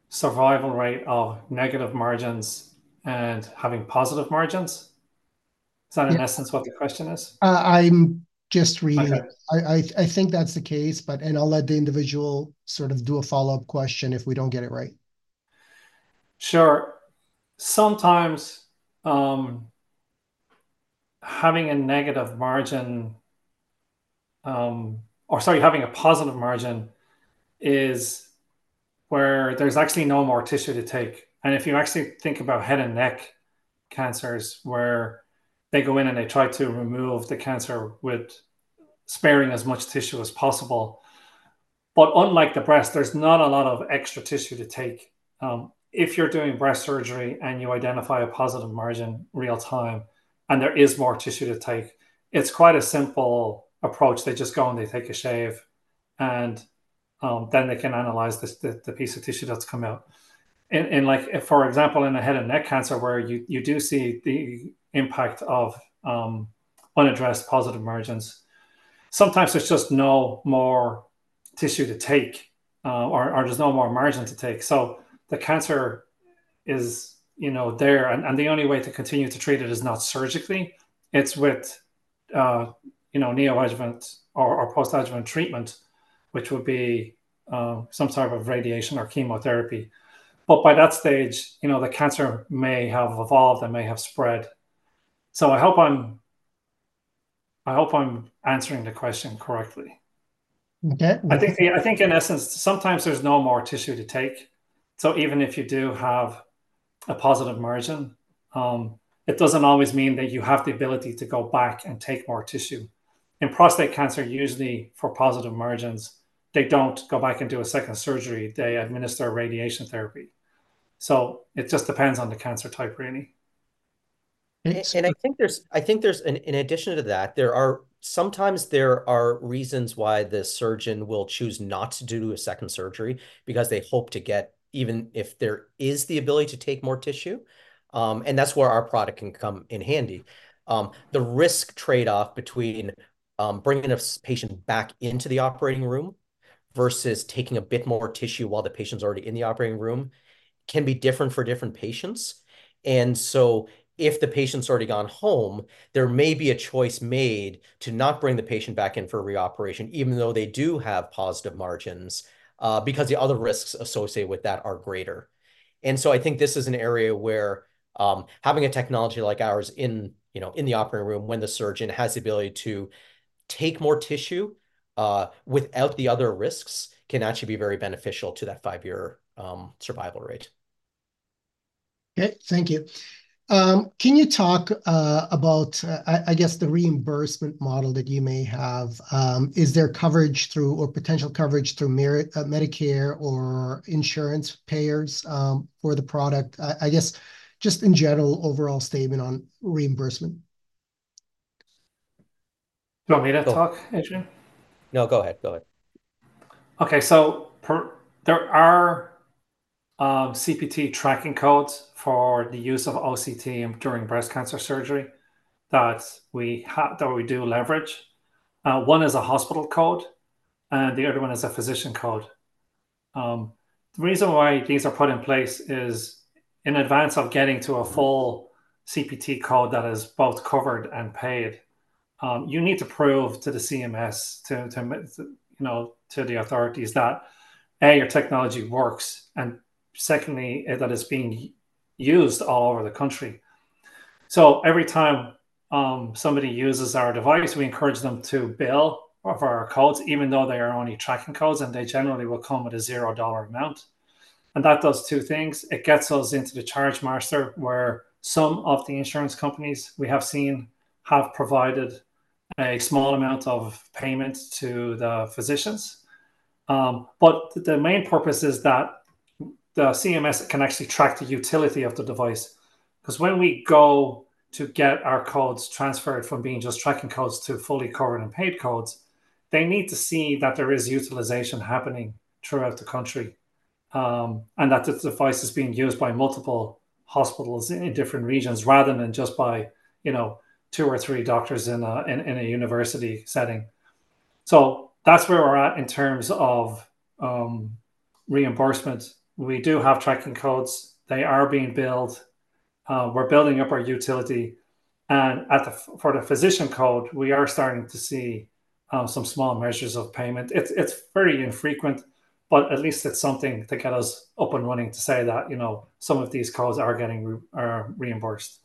survival rate of negative margins and having positive margins? Is that, in essence, what the question is? I'm just reading. I think that's the case, but I'll let the individual sort of do a follow-up question if we don't get it right. Sure. Sometimes having a negative margin or, sorry, having a positive margin is where there's actually no more tissue to take. And if you actually think about head and neck cancers where they go in and they try to remove the cancer with sparing as much tissue as possible. But unlike the breast, there's not a lot of extra tissue to take. If you're doing breast surgery and you identify a positive margin real-time and there is more tissue to take, it's quite a simple approach. They just go and they take a shave, and then they can analyze the piece of tissue that's come out. And for example, in the head and neck cancer where you do see the impact of unaddressed positive margins, sometimes there's just no more tissue to take or there's no more margin to take. So the cancer is there. The only way to continue to treat it is not surgically. It's with neoadjuvant or post-adjuvant treatment, which would be some type of radiation or chemotherapy. By that stage, the cancer may have evolved and may have spread. I hope I'm answering the question correctly. Okay. I think, in essence, sometimes there's no more tissue to take. So even if you do have a positive margin, it doesn't always mean that you have the ability to go back and take more tissue. In prostate cancer, usually for positive margins, they don't go back and do a second surgery. They administer radiation therapy. So it just depends on the cancer type, really. And I think there's, in addition to that, sometimes there are reasons why the surgeon will choose not to do a second surgery because they hope to get, even if there is the ability to take more tissue. And that's where our product can come in handy. The risk trade-off between bringing a patient back into the operating room versus taking a bit more tissue while the patient's already in the operating room can be different for different patients. And so if the patient's already gone home, there may be a choice made to not bring the patient back in for reoperation, even though they do have positive margins because the other risks associated with that are greater. And so I think this is an area where having a technology like ours in the operating room when the surgeon has the ability to take more tissue without the other risks can actually be very beneficial to that five-year survival rate. Okay. Thank you. Can you talk about, I guess, the reimbursement model that you may have? Is there coverage through or potential coverage through Medicare or insurance payers for the product? I guess just in general, overall statement on reimbursement. Do you want me to talk, Adrian? No, go ahead. Go ahead. Okay. So there are CPT tracking codes for the use of OCT during breast cancer surgery that we do leverage. One is a hospital code, and the other one is a physician code. The reason why these are put in place is in advance of getting to a full CPT code that is both covered and paid, you need to prove to the CMS, to the authorities, that, A, your technology works, and secondly, that it's being used all over the country. So every time somebody uses our device, we encourage them to bill for our codes, even though they are only tracking codes, and they generally will come with a $0 amount. And that does two things. It gets us into the chargemaster where some of the insurance companies we have seen have provided a small amount of payment to the physicians. But the main purpose is that the CMS can actually track the utility of the device. Because when we go to get our codes transferred from being just tracking codes to fully covered and paid codes, they need to see that there is utilization happening throughout the country and that this device is being used by multiple hospitals in different regions rather than just by two or three doctors in a university setting. So that's where we're at in terms of reimbursement. We do have tracking codes. They are being billed. We're building up our utility. And for the physician code, we are starting to see some small measures of payment. It's very infrequent, but at least it's something to get us up and running to say that some of these codes are getting reimbursed.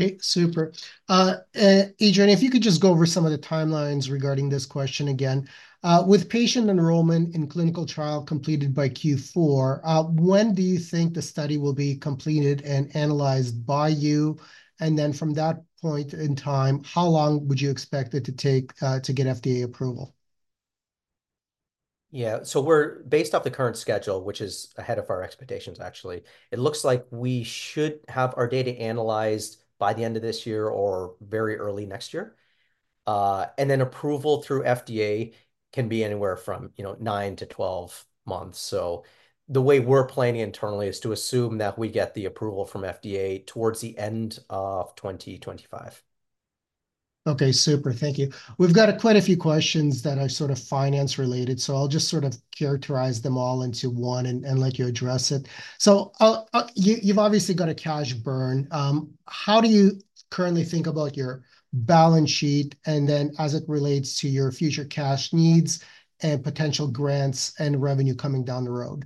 Okay. Super. Adrian, if you could just go over some of the timelines regarding this question again. With patient enrollment in clinical trial completed by Q4, when do you think the study will be completed and analyzed by you? And then from that point in time, how long would you expect it to take to get FDA approval? Yeah. So based off the current schedule, which is ahead of our expectations, actually, it looks like we should have our data analyzed by the end of this year or very early next year. And then approval through FDA can be anywhere from 9-12 months. So the way we're planning internally is to assume that we get the approval from FDA towards the end of 2025. Okay. Super. Thank you. We've got quite a few questions that are sort of finance-related, so I'll just sort of characterize them all into one and let you address it. So you've obviously got a cash burn. How do you currently think about your balance sheet and then as it relates to your future cash needs and potential grants and revenue coming down the road?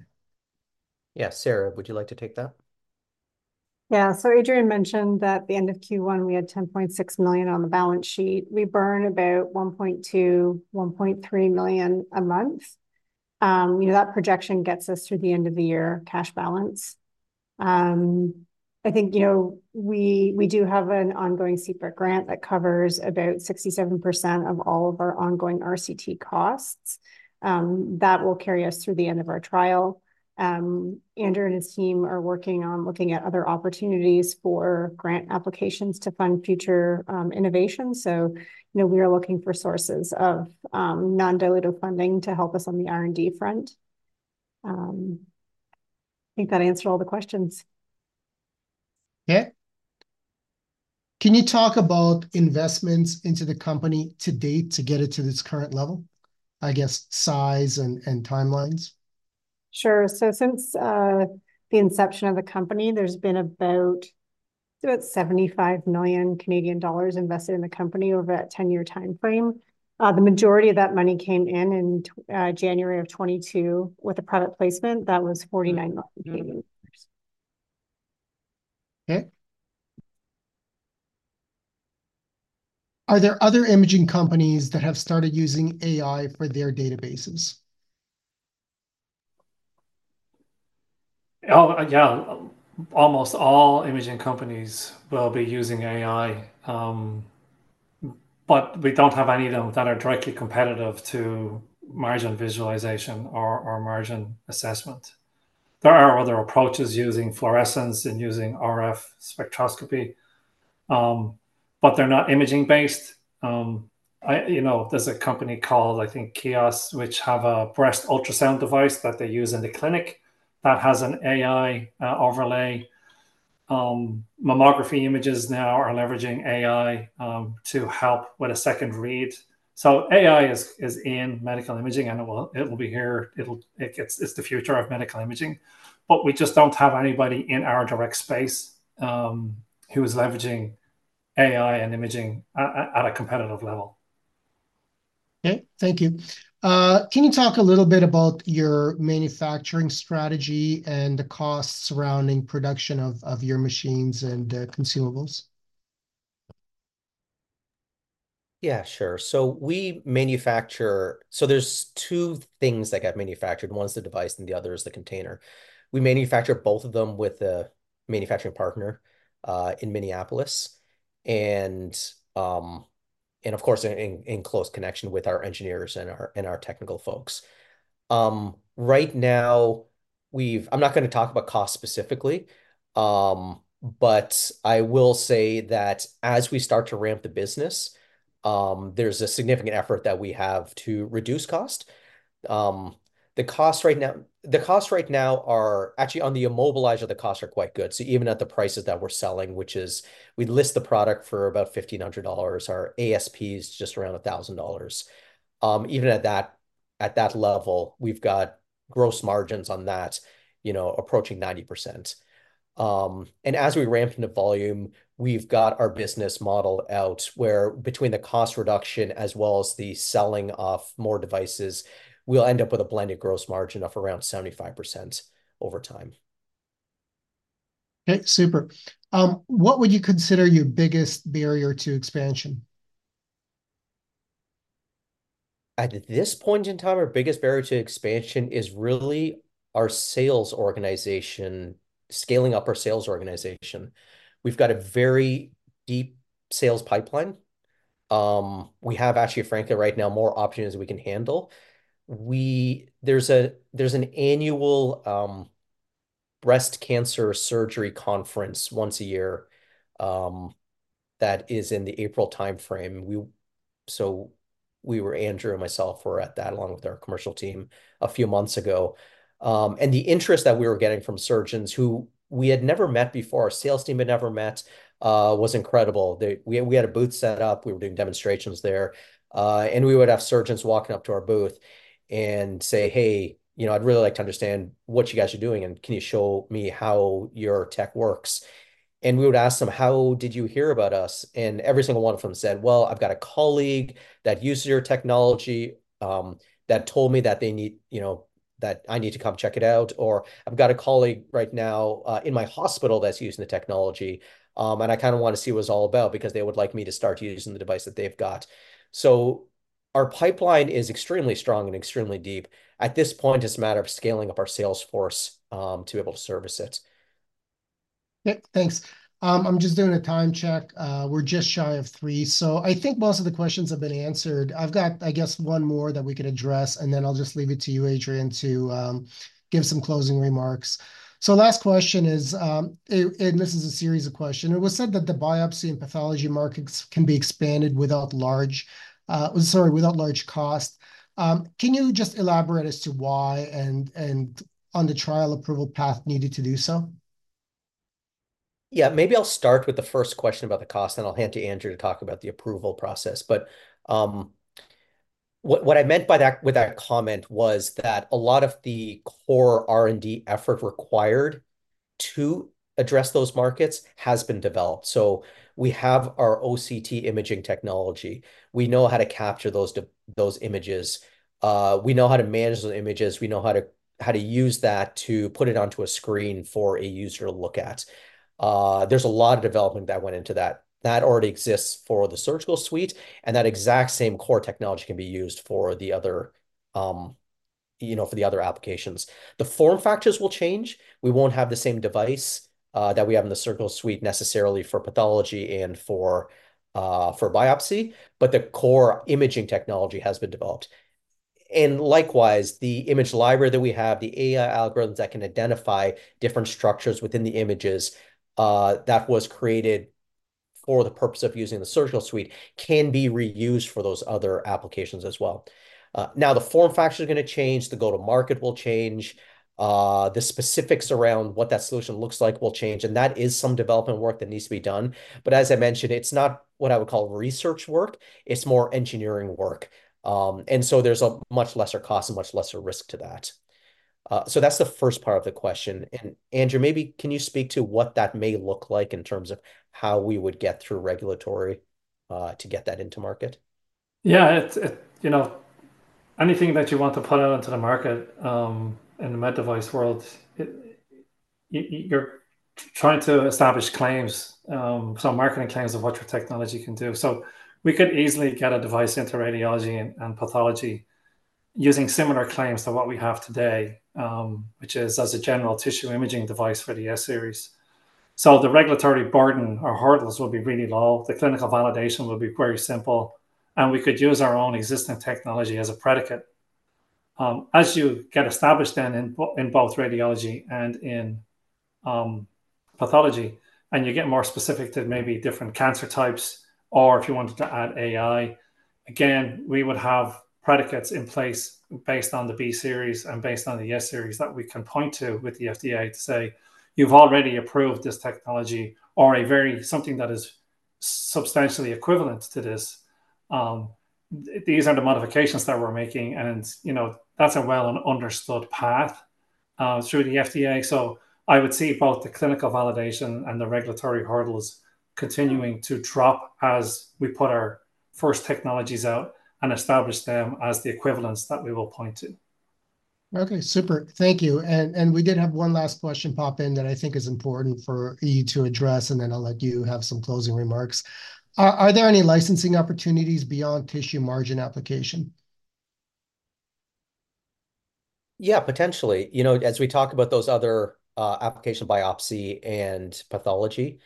Yeah. Sarah, would you like to take that? Yeah. So Adrian mentioned that at the end of Q1, we had $10.6 million on the balance sheet. We burn about $1.2-$1.3 million a month. That projection gets us to the end of the year cash balance. I think we do have an ongoing CPRIT grant that covers about 67% of all of our ongoing RCT costs. That will carry us through the end of our trial. Andrew and his team are working on looking at other opportunities for grant applications to fund future innovation. So we are looking for sources of non-dilutive funding to help us on the R&D front. I think that answered all the questions. Okay. Can you talk about investments into the company to date to get it to this current level, I guess, size and timelines? Sure. So since the inception of the company, there's been about 75 million Canadian dollars invested in the company over a 10-year timeframe. The majority of that money came in in January of 2022 with a private placement that was 49 million. Okay. Are there other imaging companies that have started using AI for their databases? Yeah. Almost all imaging companies will be using AI, but we don't have any of them that are directly competitive to margin visualization or margin assessment. There are other approaches using fluorescence and using RF spectroscopy, but they're not imaging-based. There's a company called, I think, Koios, which has a breast ultrasound device that they use in the clinic that has an AI overlay. Mammography images now are leveraging AI to help with a second read. So AI is in medical imaging, and it will be here. It's the future of medical imaging. But we just don't have anybody in our direct space who is leveraging AI and imaging at a competitive level. Okay. Thank you. Can you talk a little bit about your manufacturing strategy and the costs surrounding production of your machines and consumables? Yeah, sure. So there's two things that get manufactured. One is the device, and the other is the container. We manufacture both of them with a manufacturing partner in Minneapolis, and of course, in close connection with our engineers and our technical folks. Right now, I'm not going to talk about costs specifically, but I will say that as we start to ramp the business, there's a significant effort that we have to reduce cost. The cost right now, the cost right now are actually on the immobilizer, the costs are quite good. So even at the prices that we're selling, which is we list the product for about $1,500, our ASP is just around $1,000. Even at that level, we've got gross margins on that approaching 90%. As we ramp the volume, we've got our business model out where between the cost reduction as well as the selling of more devices, we'll end up with a blended gross margin of around 75% over time. Okay. Super. What would you consider your biggest barrier to expansion? At this point in time, our biggest barrier to expansion is really our sales organization, scaling up our sales organization. We've got a very deep sales pipeline. We have, actually, frankly, right now, more options than we can handle. There's an annual breast cancer surgery conference once a year that is in the April timeframe. So Andrew and myself were at that along with our commercial team a few months ago. And the interest that we were getting from surgeons who we had never met before, our sales team had never met, was incredible. We had a booth set up. We were doing demonstrations there. We would have surgeons walking up to our booth and say, "Hey, I'd really like to understand what you guys are doing, and can you show me how your tech works?" And we would ask them, "How did you hear about us?" And every single one of them said, "Well, I've got a colleague that uses your technology that told me that I need to come check it out," or, "I've got a colleague right now in my hospital that's using the technology, and I kind of want to see what it's all about because they would like me to start using the device that they've got." So our pipeline is extremely strong and extremely deep. At this point, it's a matter of scaling up our sales force to be able to service it. Okay. Thanks. I'm just doing a time check. We're just shy of 3:00 P.M. So I think most of the questions have been answered. I've got, I guess, one more that we can address, and then I'll just leave it to you, Adrian, to give some closing remarks. So last question is, and this is a series of questions. It was said that the biopsy and pathology markets can be expanded without large, sorry, without large cost. Can you just elaborate as to why and on the trial approval path needed to do so? Yeah. Maybe I'll start with the first question about the cost, and I'll hand to Andrew to talk about the approval process. But what I meant with that comment was that a lot of the core R&D effort required to address those markets has been developed. So we have our OCT imaging technology. We know how to capture those images. We know how to manage those images. We know how to use that to put it onto a screen for a user to look at. There's a lot of development that went into that. That already exists for the surgical suite, and that exact same core technology can be used for the other applications. The form factors will change. We won't have the same device that we have in the surgical suite necessarily for pathology and for biopsy, but the core imaging technology has been developed. And likewise, the image library that we have, the AI algorithms that can identify different structures within the images that was created for the purpose of using the surgical suite can be reused for those other applications as well. Now, the form factors are going to change. The go-to-market will change. The specifics around what that solution looks like will change. And that is some development work that needs to be done. But as I mentioned, it's not what I would call research work. It's more engineering work. And so there's a much lesser cost and much lesser risk to that. So that's the first part of the question. And Andrew, maybe can you speak to what that may look like in terms of how we would get through regulatory to get that into market? Yeah. Anything that you want to put out into the market in the med device world, you're trying to establish claims, some marketing claims of what your technology can do. So we could easily get a device into radiology and pathology using similar claims to what we have today, which is as a general tissue imaging device for the S-Series. So the regulatory burden or hurdles will be really low. The clinical validation will be very simple, and we could use our own existing technology as a predicate. As you get established then in both radiology and in pathology, and you get more specific to maybe different cancer types or if you wanted to add AI, again, we would have predicates in place based on the B-Series and based on the S-Series that we can point to with the FDA to say, "You've already approved this technology or something that is substantially equivalent to this. These are the modifications that we're making, and that's a well-understood path through the FDA." So I would see both the clinical validation and the regulatory hurdles continuing to drop as we put our first technologies out and establish them as the equivalents that we will point to. Okay. Super. Thank you. We did have one last question pop in that I think is important for you to address, and then I'll let you have some closing remarks. Are there any licensing opportunities beyond tissue margin application? Yeah, potentially. As we talk about those other application biopsy and pathology,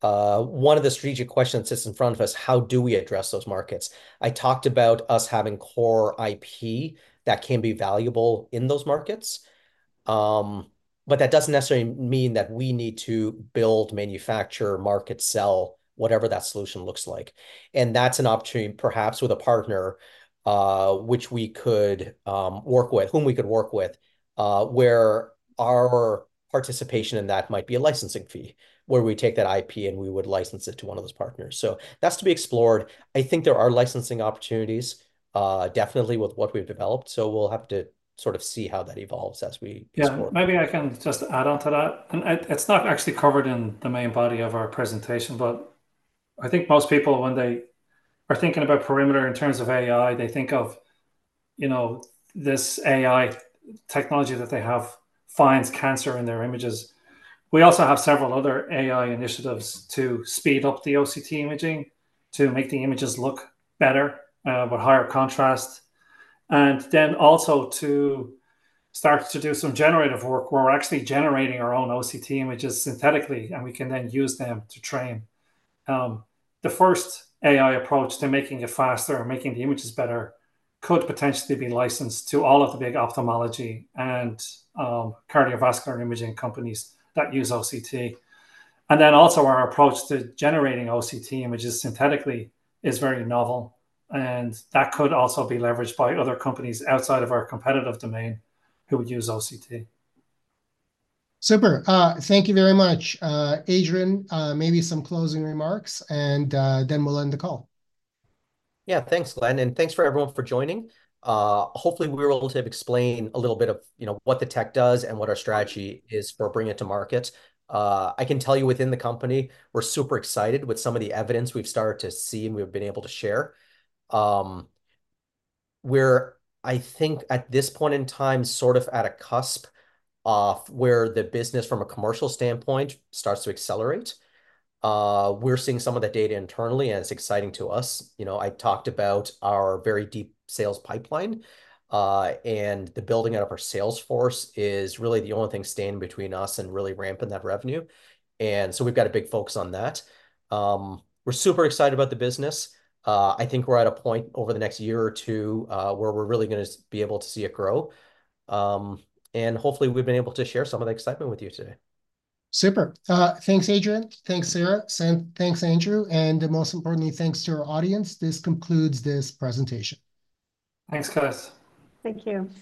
one of the strategic questions that sits in front of us is how do we address those markets? I talked about us having core IP that can be valuable in those markets, but that doesn't necessarily mean that we need to build, manufacture, market, sell, whatever that solution looks like. That's an opportunity perhaps with a partner which we could work with, whom we could work with, where our participation in that might be a licensing fee where we take that IP and we would license it to one of those partners. That's to be explored. I think there are licensing opportunities definitely with what we've developed. We'll have to sort of see how that evolves as we explore. Yeah. Maybe I can just add on to that. And it's not actually covered in the main body of our presentation, but I think most people, when they are thinking about Perimeter in terms of AI, they think of this AI technology that they have finds cancer in their images. We also have several other AI initiatives to speed up the OCT imaging to make the images look better with higher contrast, and then also to start to do some generative work where we're actually generating our own OCT images synthetically, and we can then use them to train. The first AI approach to making it faster and making the images better could potentially be licensed to all of the big ophthalmology and cardiovascular imaging companies that use OCT. And then also our approach to generating OCT images synthetically is very novel, and that could also be leveraged by other companies outside of our competitive domain who would use OCT. Super. Thank you very much, Adrian. Maybe some closing remarks, and then we'll end the call. Yeah. Thanks, Glenn. Thanks for everyone for joining. Hopefully, we were able to explain a little bit of what the tech does and what our strategy is for bringing it to market. I can tell you within the company, we're super excited with some of the evidence we've started to see and we've been able to share. We're, I think, at this point in time, sort of at a cusp of where the business, from a commercial standpoint, starts to accelerate. We're seeing some of that data internally, and it's exciting to us. I talked about our very deep sales pipeline, and the building out of our sales force is really the only thing standing between us and really ramping that revenue. So we've got a big focus on that. We're super excited about the business. I think we're at a point over the next year or two where we're really going to be able to see it grow. And hopefully, we've been able to share some of the excitement with you today. Super. Thanks, Adrian. Thanks, Sarah. Thanks, Andrew. And most importantly, thanks to our audience. This concludes this presentation. Thanks, Kris. Thank you. Thank you.